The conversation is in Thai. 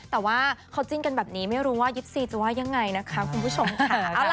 แต่ว่าเขาจิ้นกันแบบนี้ไม่รู้ว่า๒๔จะว่ายังไงนะคะคุณผู้ชมค่ะ